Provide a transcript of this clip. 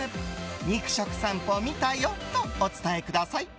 肉食さんぽ見たよとお伝えください。